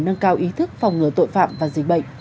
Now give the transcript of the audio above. nâng cao ý thức phòng ngừa tội phạm và dịch bệnh